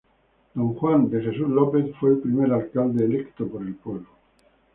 Don Juan de Jesús López, fue el primer alcalde electo por el pueblo.